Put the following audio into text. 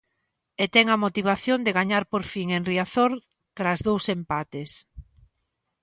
E ten a motivación de gañar por fin en Riazor tras dous empates.